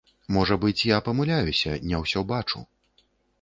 Можа быць, я памыляюся, не ўсё бачу.